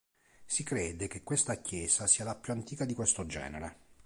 Si crede che questa chiesa sia la più antica di questo genere.